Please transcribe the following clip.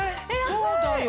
そうだよ。